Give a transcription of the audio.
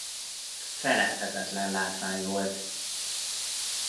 Feledhetetlen látvány volt!